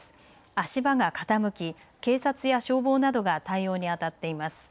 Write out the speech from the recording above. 足場が傾き警察や消防などが対応にあたっています。